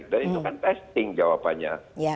dan itu kan testing jawabannya